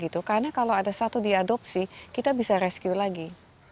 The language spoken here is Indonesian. karena kalau ada satu diadopsi kita bisa rescue lagi